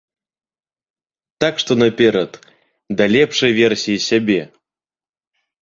Так што наперад, да лепшай версіі сябе!